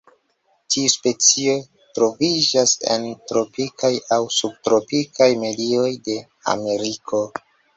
Tiu specio troviĝas en tropikaj aŭ subtropikaj medioj de Ameriko.